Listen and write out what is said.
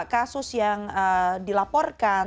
kasus yang dilaporkan